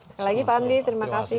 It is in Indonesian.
sekali lagi pak andi terima kasih